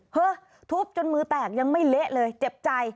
ทุบจนมือแตกยังไม่เละเลยเจ็บใจ